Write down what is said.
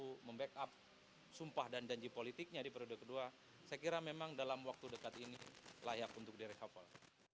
untuk membackup sumpah dan janji politiknya di periode kedua saya kira memang dalam waktu dekat ini layak untuk diresafel